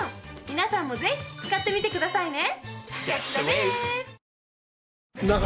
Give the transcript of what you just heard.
皆さんもぜひ使ってみてくださいね。